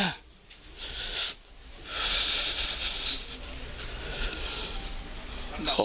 ทำไมล่ะครับ